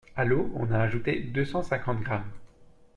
A l'eau on a ajouté deux cent cinquante gr.